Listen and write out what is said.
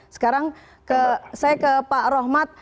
sekarang saya ke pak rohmat